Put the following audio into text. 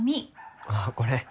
ああこれ。